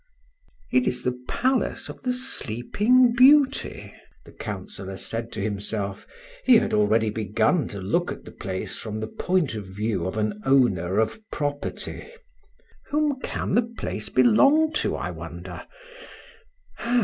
"It is the palace of the Sleeping Beauty," the Councillor said to himself (he had already begun to look at the place from the point of view of an owner of property). "Whom can the place belong to, I wonder.